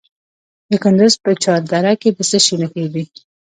د کندز په چهار دره کې د څه شي نښې دي؟